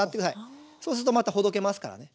そうするとまたほどけますからね。